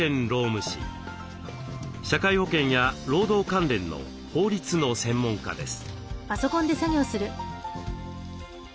社会保険や労働関連の法律の専門家です。